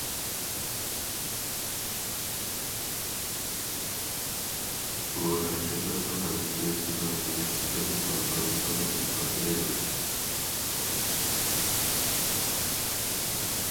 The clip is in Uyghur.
بۇ ھەرىكەتلەرنىڭ ھەممىسى سىزنىڭ يېمەكلىككە بولغان ھۆرمىتىڭىزنى ئىپادىلەيدۇ.